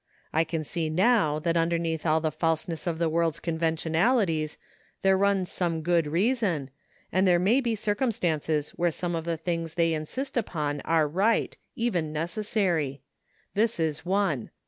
I can see now that underneath all the falseness of the world's convention aJities there runs some good reason, and there may be circumstances where some of the things they insist upon are right — even necessary. This is one.